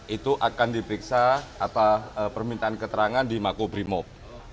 itu akan diperiksa permintaan keterangan di makubrimob